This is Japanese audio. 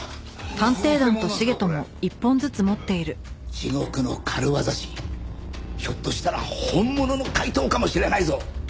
地獄の軽業師ひょっとしたら本物の怪盗かもしれないぞ。